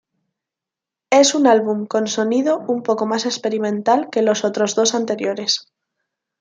Es un álbum con sonido un poco más experimental que los otros dos anteriores.